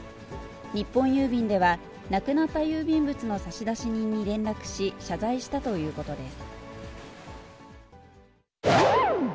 日本郵便では、なくなった郵便物の差出人に連絡し、謝罪したということです。